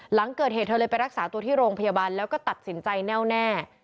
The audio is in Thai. หลังเกิดเหตุเธอเลยไปรักษาตัวที่โรงพยาบาลแล้วก็ตัดสินใจแน่วแน่